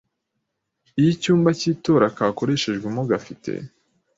iy icyumba cy itora kakoreshejwemo gafite